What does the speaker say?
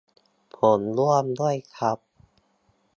ผมร่วมด้วยครับ